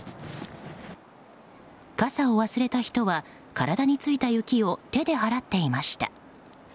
傘を忘れた人は体についた雪を手で払っていました。